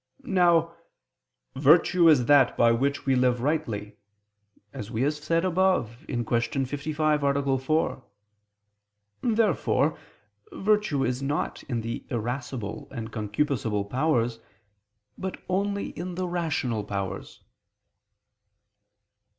Now "virtue is that by which we live rightly," as we have said above (Q. 55, A. 4). Therefore virtue is not in the irascible and concupiscible powers, but only in the rational powers.